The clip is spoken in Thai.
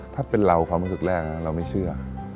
ถ้าเป็นเราความรู้สึกแรกเราไม่เชื่อ